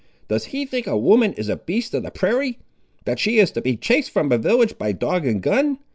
Does he think a woman is a beast of the prairie, that she is to be chased from a village, by dog and gun.